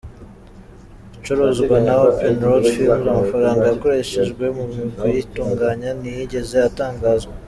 Icuruzwa na Open Road Films, amafaranga yakoreshejwe mu kuyitunganya ntiyigeze atangazwa.